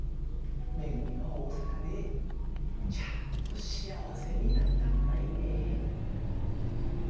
めぐみは大阪でちゃんと幸せになったったいね。